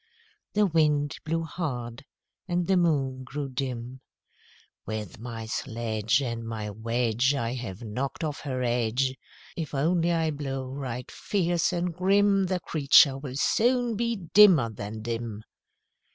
The Wind blew hard, and the Moon grew dim. "With my sledge And my wedge I have knocked off her edge! If only I blow right fierce and grim, The creature will soon be dimmer than dim."